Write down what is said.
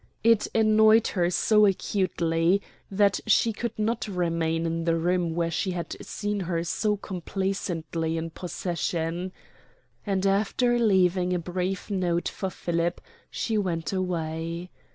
It annoyed her so acutely that she could not remain in the room where she had seen her so complacently in possession. And after leaving a brief note for Philip, she went away.